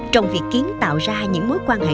trong việc kiến tạo ra những mối quan hệ